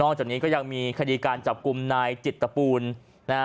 จากนี้ก็ยังมีคดีการจับกลุ่มนายจิตปูนนะฮะ